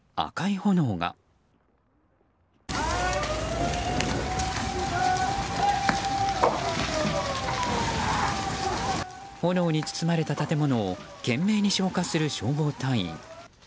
炎に包まれた建物を懸命に消火する消防隊員。